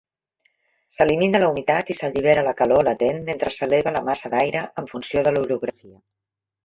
S'elimina la humitat i s'allibera la calor latent mentre s'eleva la massa d'aire en funció de l'orografia.